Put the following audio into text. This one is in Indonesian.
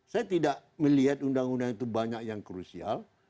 saya tidak melihat undang undang itu banyak yang krusial